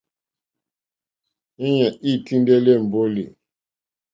Íɲá î tíndɛ́lɛ́ èmbólì.